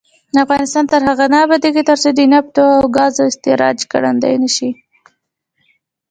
افغانستان تر هغو نه ابادیږي، ترڅو د نفتو او ګازو استخراج ګړندی نشي.